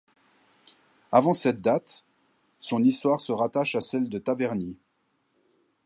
Avant cette date, son histoire se rattache à celle de Taverny.